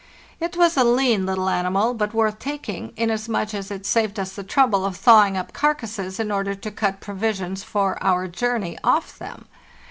It was a lean little animal, but worth taking, inasmuch as it saved us the trouble of thawing up carcasses in order to cut provisions for our journey off them.